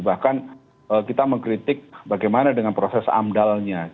bahkan kita mengkritik bagaimana dengan proses amdalnya